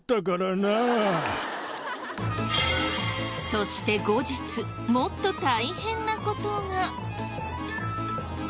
そして後日もっと大変な事が。